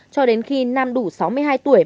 cho đến khi nam đủ sáu mươi hai tuổi